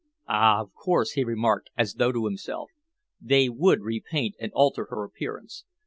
"Ah! Of course," he remarked, as though to himself. "They would repaint and alter her appearance.